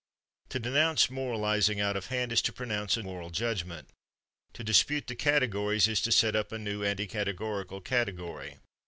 To denounce moralizing out of hand is to pronounce a moral judgment. To dispute the categories is to set up a new anti categorical category.